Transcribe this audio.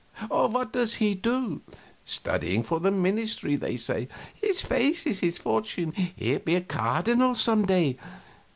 "What does he do?" "Studying for the ministry, they say." "His face is his fortune he'll be a cardinal some day."